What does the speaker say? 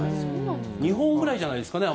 日本ぐらいじゃないですかね